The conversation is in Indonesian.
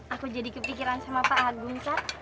aku jadi kepikiran sama pak agung saat